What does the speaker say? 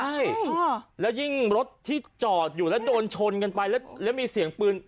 ใช่แล้วยิ่งรถที่จอดอยู่แล้วโดนชนกันไปแล้วมีเสียงปืน